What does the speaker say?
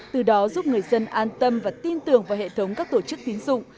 từ đó giúp người dân an tâm và tin tưởng vào hệ thống các tổ chức tín dụng